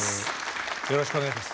よろしくお願いします。